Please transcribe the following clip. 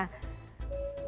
misalnya seperti ini ya